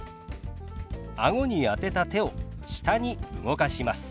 あごに当てた手を下に動かします。